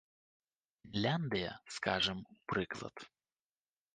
Фінляндыя, скажам, у прыклад.